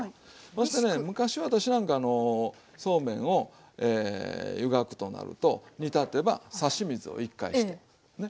そしてね昔私なんかあのそうめんを湯がくとなると煮立てば差し水を１回してね。